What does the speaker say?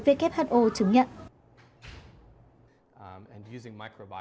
who chứng nhận